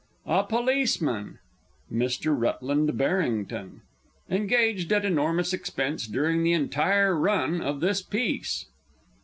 "_ A Policeman Mr. RUTLAND BARRINGTON. [_Engaged, at enormous expense, during the entire run of this piece.